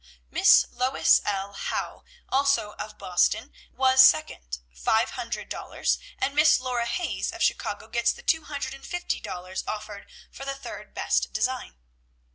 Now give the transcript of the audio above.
"'Miss Lois L. Howe, also of Boston, was second, five hundred dollars, and Miss Laura Hayes of Chicago gets the two hundred and fifty dollars offered for the third best design.